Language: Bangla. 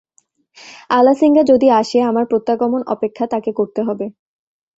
আলাসিঙ্গা যদি আসে, আমার প্রত্যাগমন-অপেক্ষা তাকে করতে হবে।